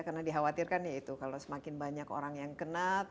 karena dikhawatirkan ya itu kalau semakin banyak orang yang kenat